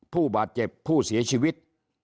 ผู้บาดเจ็บผู้เสียชีวิต